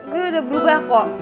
gue udah berubah